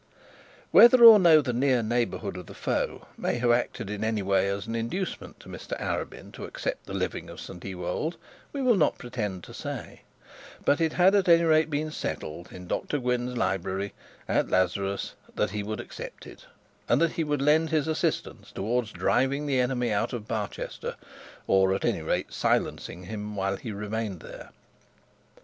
Whether or no the near neighbourhood of the foe may have acted in any way as an inducement to Mr Arabin to accept the living of St Ewold, we will not pretend to say; but it had at any rate been settled in Dr Gwynne's library, at Lazarus, that he would accept it, and that he would lend his assistance towards driving the enemy out of Barchester, or, at any rate, silencing him while he remained there.